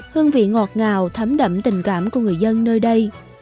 hương vị ngọt ngào thấm đậm tình cảm của người dân nơi đây